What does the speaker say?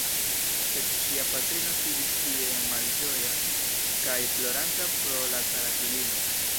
Sed ŝia patrino sidis tie malĝoja kaj ploranta pro la kara filino.